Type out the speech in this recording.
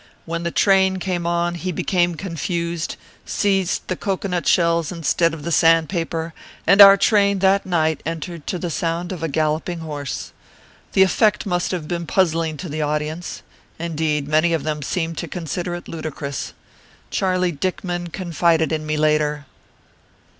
When the train came on he became confused, seized the cocoanut shells instead of the sand paper, and our train that night entered to the sound of a galloping horse. The effect must have been puzzling to the audience. Indeed, many of them seemed to consider it ludicrous. Charlie Dickman confided in me later.